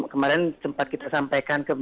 kemarin sempat kita sampaikan